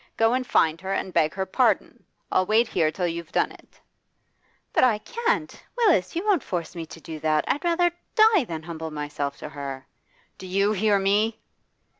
Go and find her and beg her pardon. I'll wait here till you've done it.' 'But I can't! Willis, you won't force me to do that? I'd rather die than humble myself to her.' 'Do you hear me?